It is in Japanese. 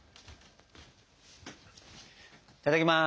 いただきます。